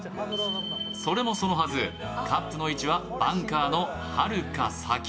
それもそのはず、カップの位置はバンカーのはるか先。